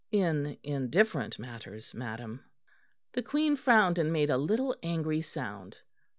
'" "In indifferent matters, madam." The Queen frowned and made a little angry sound.